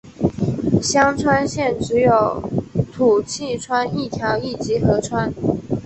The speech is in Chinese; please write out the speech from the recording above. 香川县只有土器川一条一级河川。